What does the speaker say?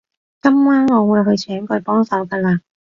今晚我會去請佢幫手㗎喇